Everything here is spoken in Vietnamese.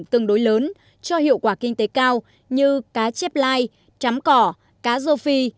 tương đối lớn cho hiệu quả kinh tế cao như cá chép lai trắm cỏ cá rô phi